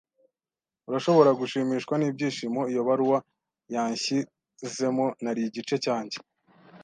Urashobora gushimishwa n'ibyishimo iyo baruwa yanshyizemo. Nari igice cyanjye